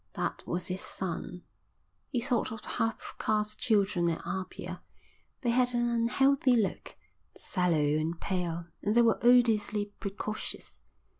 That was his son. He thought of the half caste children in Apia. They had an unhealthy look, sallow and pale, and they were odiously precocious.